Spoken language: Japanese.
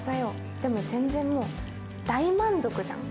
でも全然、大満足じゃん。